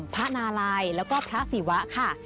พระนาลัยแล้วก็พระศิวะค่ะ